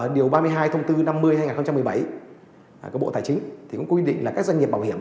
điều ba mươi hai thông tư năm mươi hai nghìn một mươi bảy của bộ tài chính thì cũng quy định là các doanh nghiệp bảo hiểm